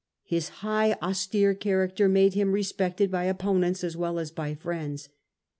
His high austere character made him re spected by opponents as well as by friends.